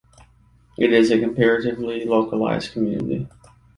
It is a comparatively localised community.